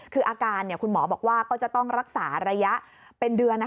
คืออาการคุณหมอบอกว่าก็จะต้องรักษาระยะเป็นเดือน